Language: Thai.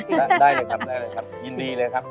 ได้เลยครับยินดีเลยครับ